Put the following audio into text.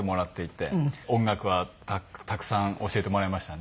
音楽はたくさん教えてもらいましたね。